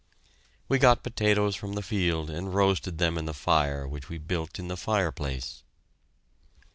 We got potatoes from the field and roasted them in the fire which we built in the fireplace.